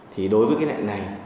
thì đối với cái loại này